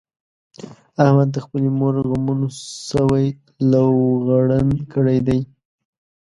احمد د خپلې مور غمونو سوی لوغړن کړی دی.